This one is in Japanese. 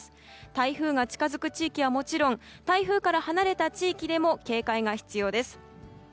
台風が近づく地域はもちろん台風から離れた地域でも警戒が必要です。